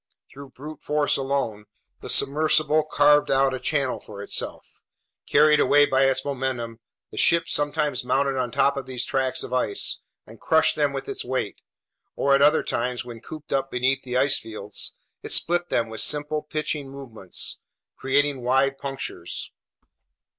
Through brute force alone, the submersible carved out a channel for itself. Carried away by its momentum, the ship sometimes mounted on top of these tracts of ice and crushed them with its weight, or at other times, when cooped up beneath the ice fields, it split them with simple pitching movements, creating wide punctures.